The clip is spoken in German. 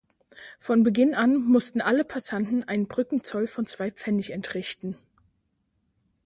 Von Beginn an mussten alle Passanten einen Brückenzoll von zwei Pfennig entrichten.